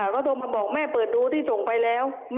เขาโทรมาบอกแม่เปิดดูที่ส่งไปแล้ว